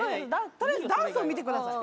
取りあえずダンスを見てください